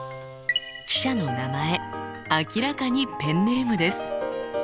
記者の名前明らかにペンネームです。